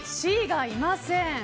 Ｃがいません。